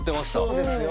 そうですよ。